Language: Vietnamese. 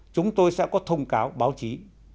chúng tôi sẽ có thông cáo báo chí